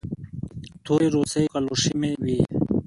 تورې روسۍ کلوشې مې وې.